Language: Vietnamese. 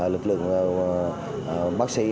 lực lượng bác sĩ